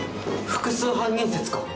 複数犯人説か。